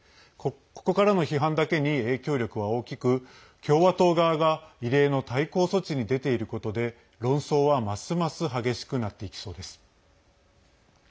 ここからの批判だけに影響力は大きく共和党側が異例の対抗措置に出ていることで論争は、ますます激しくなっていきそうです。